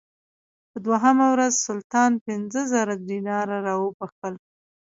په دوهمه ورځ سلطان پنځه زره دیناره راوبخښل.